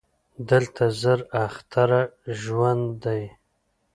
دلته زر اختره ژوند دی